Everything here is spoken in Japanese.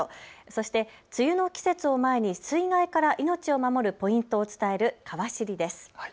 そして梅雨の季節を前に水害から命を守るポイントを伝えるかわ知りです。